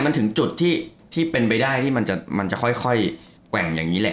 มันถึงจุดที่เป็นไปได้ที่มันจะค่อยแกว่งอย่างนี้แหละ